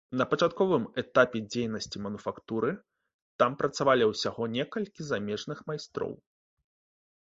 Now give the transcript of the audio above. На пачатковым этапе дзейнасці мануфактуры там працавала ўсяго некалькі замежных майстроў.